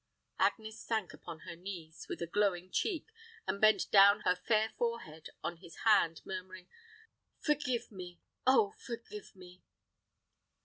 Agnes sank upon her knees, with a glowing cheek, and bent down her fair forehead on his hand, murmuring, "Forgive me oh, forgive me!"